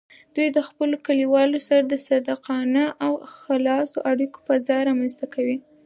دوی د خپلو کلیوالو سره د صادقانه او خلاصو اړیکو فضا رامینځته کوي.